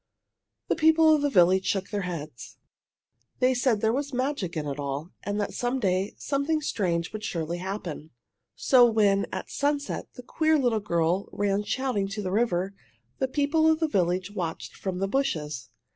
The people of the village shook their heads. They said there was magic in it all, and that some day something strange would surely happen. So, when at sunset the queer little girl ran shouting to the river, the people of the village watched from the bushes.